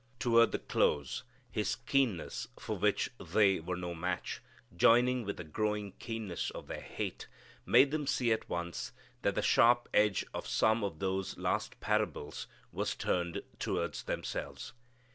Toward the close, His keenness, for which they were no match, joining with the growing keenness of their hate, made them see at once that the sharp edge of some of those last parables was turned toward themselves.